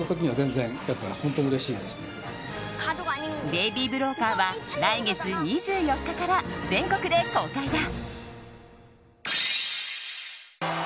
「ベイビー・ブローカー」は来月２４日から全国で公開だ。